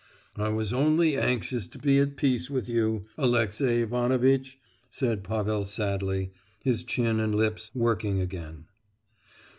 "I was only anxious to be at peace with you, Alexey Ivanovitch!" said Pavel sadly, his chin and lips working again.